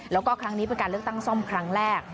แล้วก็ครั้งนี้เป็นการเลือกตั้งซ่อมครั้งแรก